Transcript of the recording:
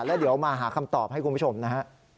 แล้วเดี๋ยวมาหาคำตอบให้คุณผู้ชมนะฮะ